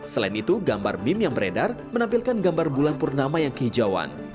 selain itu gambar meme yang beredar menampilkan gambar bulan purnama yang kehijauan